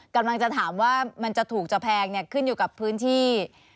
กำลังจะถามว่ามันจะถูกจะแพงขึ้นอยู่กับพื้นที่